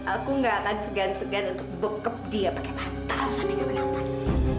aku gak akan segan segan untuk bokap dia pakai pantal sampai gak bernafas